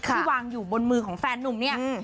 ที่วางอยู่บนมือของแฟนนุ่มเนี่ย